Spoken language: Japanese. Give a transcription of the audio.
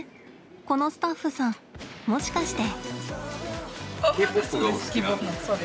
このスタッフさんもしかして。